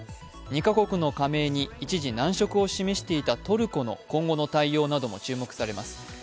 ２カ国の加盟に一時難色を示していたトルコの今後の対応なども注目されます。